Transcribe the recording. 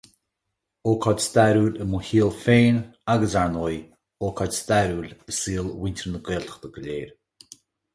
Ócáid stairiúil i mo shaol féin agus ar ndóigh, ócáid stairiúil i saol mhuintir na Gaeltachta go léir.